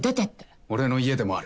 俺の家でもある。